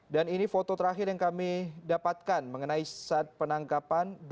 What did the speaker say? dan ini foto terakhir yang kami dapatkan mengenai saat penangkapan